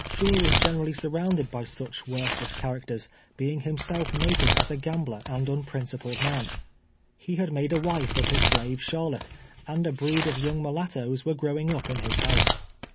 Shaw was generally surrounded by such worthless characters, being himself noted as a gambler and unprincipled man. He had made a wife of his slave Charlotte, and a brood of young mulattoes were growing up in his house.